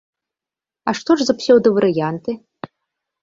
А што ж за псеўдаварыянты?